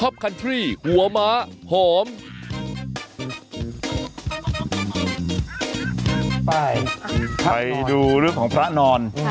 ไปดูลูกของพระนอน